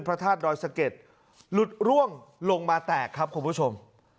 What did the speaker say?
พระธาตุดอยสะเก็ดหลุดร่วงลงมาแตกครับคุณผู้ชม